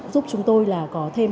giúp chúng tôi là có thêm